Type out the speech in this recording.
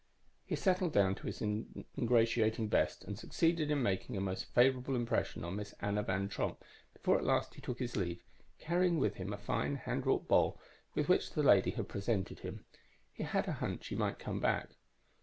_ _He settled down to his ingratiating best and succeeded in making a most favorable impression on Miss Anna Van Tromp before at last he took his leave, carrying with him a fine, hand wrought bowl with which the lady had presented him. He had a hunch he might come back.